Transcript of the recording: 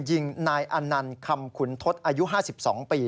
ยิงนายอนันต์คำขุนทศอายุ๕๒ปี